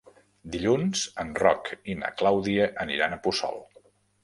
Dilluns en Roc i na Clàudia aniran a Puçol.